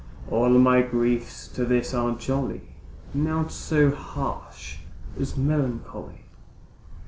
All my griefs to this are jolly, Naught so harsh as melancholy.